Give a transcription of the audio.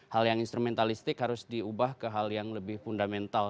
hal yang instrumentalistik harus diubah ke hal yang lebih fundamental